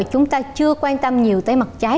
chúng ta chưa quan tâm nhiều tới mặt trái